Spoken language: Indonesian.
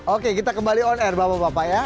oke kita kembali on air bapak bapak ya